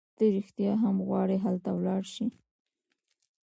ته رېښتیا هم غواړي هلته ولاړه شې؟